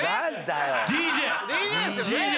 ＤＪ！